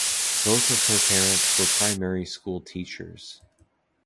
Both of her parents were primary school teachers.